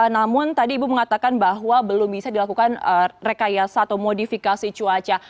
namun tadi ibu mengatakan bahwa belum bisa dilakukan rekayasa atau modifikasi cuaca